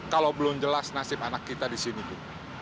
kalau belum jelas nasib anak kita di sini bu